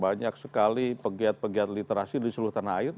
banyak sekali pegiat pegiat literasi di seluruh tanah air